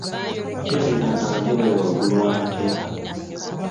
Kirabika ng'amaggye gali waggulu w'amateeka.